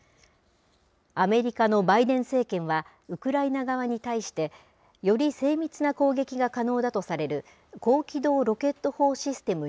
アメリカのバイデン政権はウクライナ側に対して、より精密な攻撃が可能だとされる、高機動ロケット砲システム